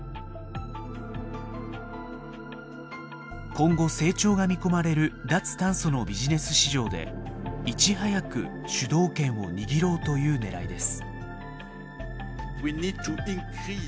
今後成長が見込まれる脱炭素のビジネス市場でいち早く主導権を握ろうという狙いです。